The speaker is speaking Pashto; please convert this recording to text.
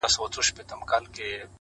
o لا به په تا پسي ژړېږمه زه؛